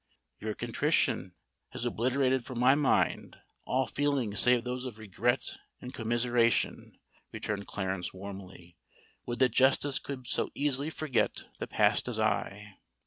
"Your contrition has obliterated from my mind all feelings save those of regret and commiseration," returned Clarence warmly. "Would that justice could so easily forget the past as I!"